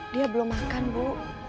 dia belum makan bu